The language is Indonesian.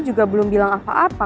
juga belum bilang apa apa